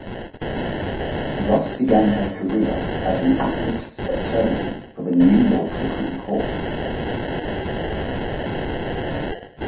Ross began her career as an appellate attorney for the New York Supreme Court.